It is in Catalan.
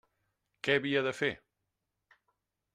Què havia de fer?